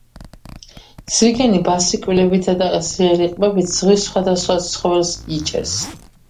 ზვიგენი ბასრი კბილებითაა და ძლიერი ყბებით ზღვის სხვა-დასხვა ცხოველს იჭერს